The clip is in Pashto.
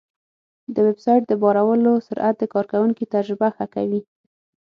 د ویب سایټ بارولو سرعت د کارونکي تجربه ښه کوي.